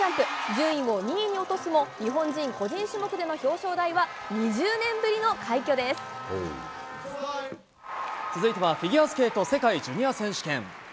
順位を２位に落とすも、日本人、個人種目での表彰台は２０年ぶり続いてはフィギュアスケート世界ジュニア選手権。